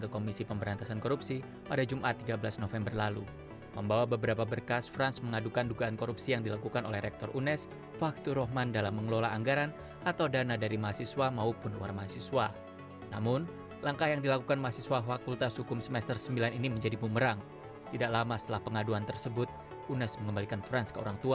komisi pemberantasan korupsi menyesalkan sikap unes